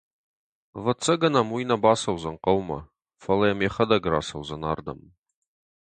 Ӕвӕццӕгӕн ӕм уый нӕ бацӕудзӕн хъӕумӕ, фӕлӕ йӕм йӕхӕдӕг рацӕудзӕн ардӕм.